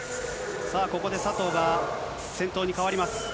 さあ、ここで佐藤が先頭に代わります。